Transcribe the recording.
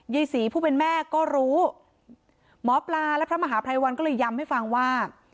ยายศรีผู้เป็นแม่ก็รู้หมอปลาและพระมหาภัยวันก็เลยย้ำให้ฟังว่า